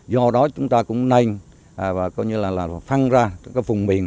do đó chúng ta cũng nâng và phăng ra các vùng miền